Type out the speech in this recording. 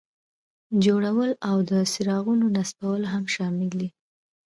جوړول او د څراغونو نصبول هم شامل دي.